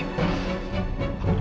aku juga udah capek